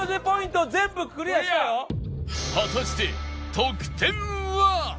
果たして得点は？